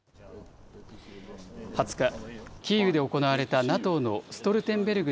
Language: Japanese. ２０日、キーウで行われたＮＡＴＯのストルテンベルグ